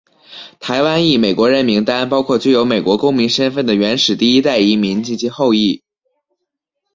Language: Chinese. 台湾裔美国人名单包括具有美国公民身份的原始第一代移民及其后裔。